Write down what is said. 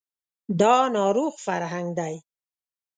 دا ناروغ فرهنګ دی